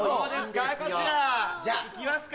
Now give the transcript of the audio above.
こちらいきますか。